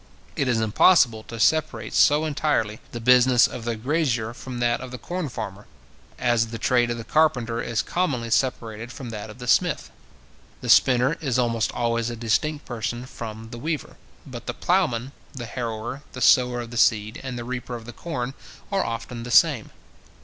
It is impossible to separate so entirely the business of the grazier from that of the corn farmer, as the trade of the carpenter is commonly separated from that of the smith. The spinner is almost always a distinct person from the weaver; but the ploughman, the harrower, the sower of the seed, and the reaper of the corn, are often the same.